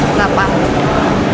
tangan berapa delapan